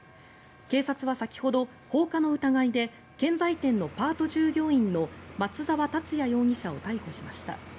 警察は先ほど、放火の疑いで建材店のパート従業員の松沢達也容疑者を逮捕しました。